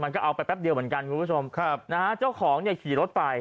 ก็เอาไปแป๊บเดียวเหมือนกันคุณผู้ชมครับนะฮะเจ้าของเนี่ยขี่รถไป